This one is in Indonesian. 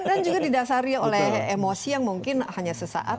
dan juga didasari oleh emosi yang mungkin hanya sesaat